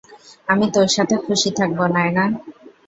আমি তোর সাথে খুশি থাকবো, নায়না।